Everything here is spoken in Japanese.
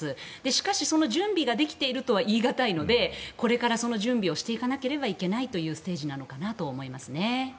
しかし、その準備ができているとは言い難いのでこれからその準備をしていかなければいけないステージなのかなと思いますね。